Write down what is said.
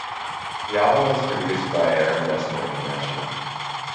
The album was produced by Aaron Dessner of The National.